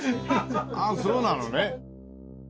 ああそうなのね。